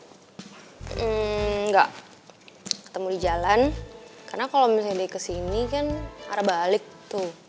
enggak ketemu di jalan karena kalau misalnya dari kesini kan arah balik tuh